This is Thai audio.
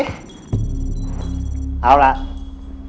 เอาล่ะเดี๋ยวครับ